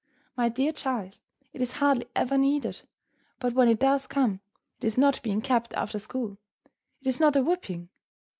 My dear child, it is hardly ever needed, but when it does come, it is not being kept after school; it is not a whipping.